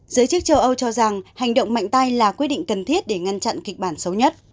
giới chức châu âu cho rằng hành động mạnh tay là quyết định cần thiết để ngăn chặn kịch bản xấu nhất